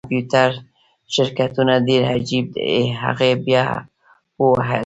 د کمپیوټر شرکتونه ډیر عجیب دي هغې بیا وویل